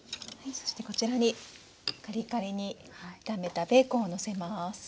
そしてこちらにカリカリに炒めたベーコンをのせます。